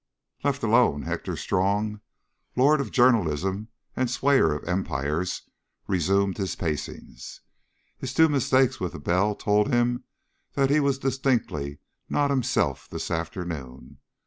Left alone, Hector Strong, lord of journalism and swayer of empires, resumed his pacings. His two mistakes with the bell told him that he was distinctly not himself this afternoon.